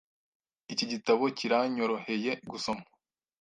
Iki gitabo kiranyoroheye gusoma .